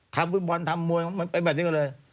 ทำฟุตบอลทำมวยมันเป็นแบบนี้ก็เลย